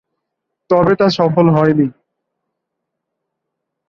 তবে তা সফল হয়নি।